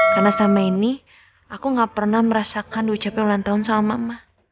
karena sama ini aku gak pernah merasakan diucapin ulang tahun sama mama